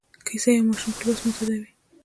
کیسه یو ماشوم په لوست معتادوي.